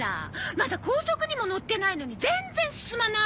まだ高速にものってないのに全然進まない！